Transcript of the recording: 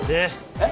えっ？